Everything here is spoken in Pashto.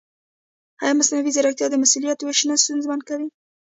ایا مصنوعي ځیرکتیا د مسؤلیت وېش نه ستونزمن کوي؟